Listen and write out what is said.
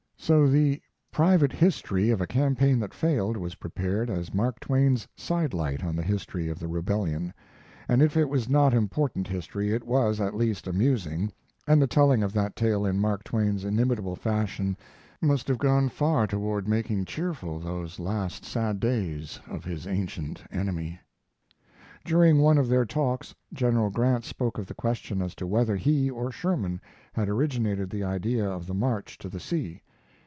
So the "Private History of a Campaign that Failed" was prepared as Mark Twain's side light on the history of the Rebellion; and if it was not important history it was at least amusing, and the telling of that tale in Mark Twain's inimitable fashion must have gone far toward making cheerful those last sad days of his ancient enemy. During one of their talks General Grant spoke of the question as to whether he or Sherman had originated the idea of the march to the sea.